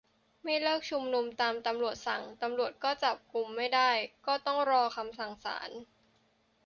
ไม่เลิกชุมนุมตามตำรวจสั่ง ตำรวจก็ยังจับกุมไม่ได้ ต้องรอคำสั่งศาล